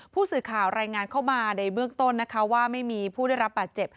ผู้สื่อข่าวรายงานเข้ามาในเบื้องต้นนะคะว่าไม่มีผู้ได้รับบาดเจ็บ